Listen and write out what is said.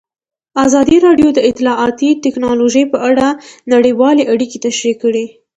ازادي راډیو د اطلاعاتی تکنالوژي په اړه نړیوالې اړیکې تشریح کړي.